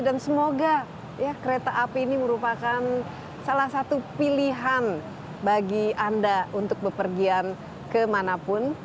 dan semoga ya kereta api ini merupakan salah satu pilihan bagi anda untuk bepergian kemanapun